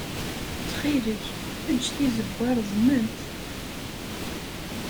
Ttxil-k, ejj tizewwa reẓment.